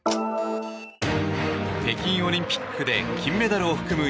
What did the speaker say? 北京オリンピックで金メダルを含む